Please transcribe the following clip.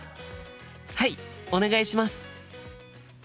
はいお願いします。